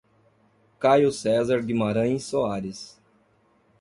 Caio Cezar Guimaraes Soares